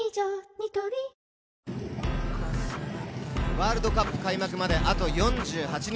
ニトリワールドカップ開幕まであと４８日。